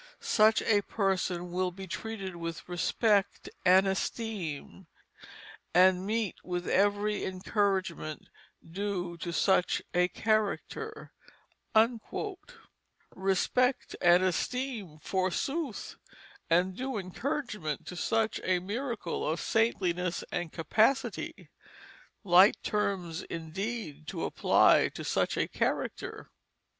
Such a person will be treated with respect and esteem, and meet with every encouragement due to such a character." Respect and esteem, forsooth! and due encouragement to such a miracle of saintliness and capacity; light terms indeed to apply to such a character.